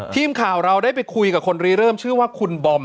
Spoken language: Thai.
ทีมข่าวเราได้ไปคุยกับคนรีเริ่มชื่อว่าคุณบอม